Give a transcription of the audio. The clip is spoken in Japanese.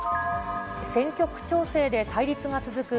選挙区調整で対立が続く